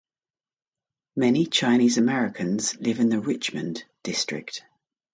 Many Chinese Americans live in the Richmond District.